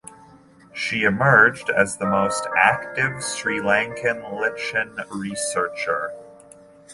She emerged as the most active Sri Lankan lichen researcher.